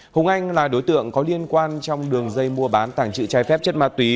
hùng anh là đối tượng có liên quan trong đường dây mua bán tàng trự trái phép chất ma túy